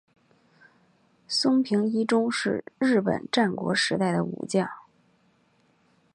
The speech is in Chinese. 松平伊忠是日本战国时代的武将。